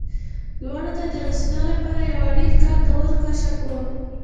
لوړو ته د رسېدو لپاره یو اړین ګام د اور کشف و.